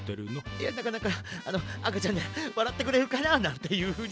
いやなんかあのあかちゃんならわらってくれるかな？なんていうふうに。